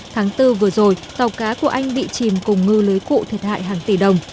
tháng bốn vừa rồi tàu cá của anh bị chìm cùng ngư lưới cụ thiệt hại hàng tỷ đồng